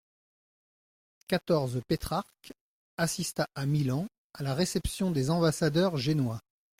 quatorze Pétrarque assista à Milan à la réception des ambassadeurs génois.